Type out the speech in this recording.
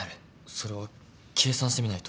それは計算してみないと。